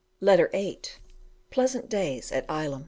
Letter VIII: Pleasant days at Ilam.